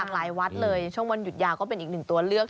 หลายวัดเลยช่วงวันหยุดยาวก็เป็นอีกหนึ่งตัวเลือก